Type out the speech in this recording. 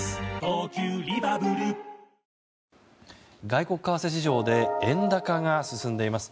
外国為替市場で円高が進んでいます。